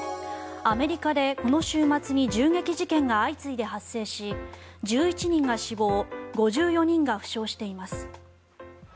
アメリカでこの週末に銃撃事件が相次いで発生し１１人が死亡５４人が負傷しています。